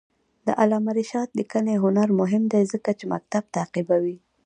د علامه رشاد لیکنی هنر مهم دی ځکه چې مکتب تعقیبوي.